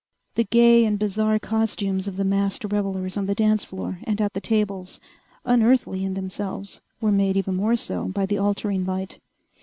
The gay and bizarre costumes of the masked revelers on the dance floor and at the tables, unearthly in themselves, were made even more so by the altering light.